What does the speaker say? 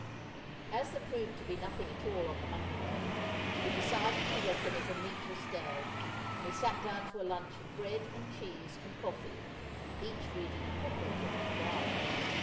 As there proved to be nothing at all on the mutton bone, we decided to reckon it a meatless day, and we sat down to a lunch of bread and cheese and coffee—each reading a cookery book the while.